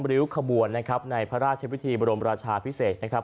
ริ้วขบวนนะครับในพระราชวิธีบรมราชาพิเศษนะครับ